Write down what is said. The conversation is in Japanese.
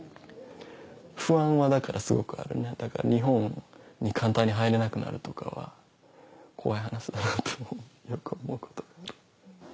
不安はだからすごくある日本に簡単に入れなくなるとかは怖い話だなとよく思うことがある。